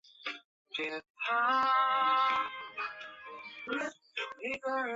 荷电粒子炮是指电离的带电粒子利用加速器将其加速打出以其破坏敌械的武器。